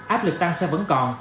áp lực tăng sẽ vẫn còn